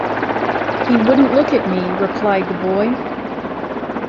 ‘He wouldn’t look at me,’ replied the boy.